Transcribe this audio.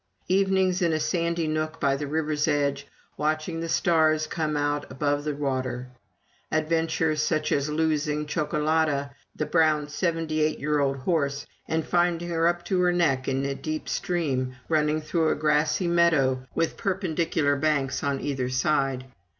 Evenings in a sandy nook by the river's edge, watching the stars come out above the water. Adventures, such as losing Chocolada, the brown seventy eight year old horse, and finding her up to her neck in a deep stream running through a grassy meadow with perpendicular banks on either side.